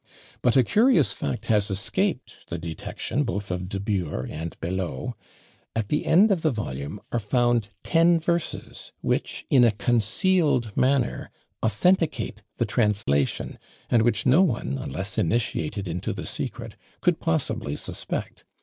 But a curious fact has escaped the detection both of De Bure and Beloe; at the end of the volume are found ten verses, which, in a concealed manner, authenticate the translation; and which no one, unless initiated into the secret, could possibly suspect.